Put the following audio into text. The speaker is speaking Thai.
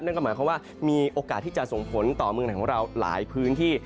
นั่นก็หมายความว่ามีโอกาสที่จะส่งผลต่อเมืองไหนของเราหลายพื้นที่